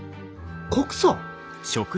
告訴？